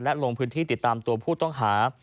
และลงพื้นที่ติดตามตัวผู้ต้องหา